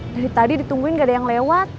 dari tadi ditungguin gak ada yang lewat